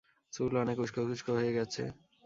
চুল অনেক উশকো-খুশকো হয়ে গেছে।